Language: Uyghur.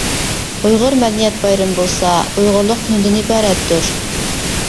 > بولسا >دىن ئىبارەتتۇر.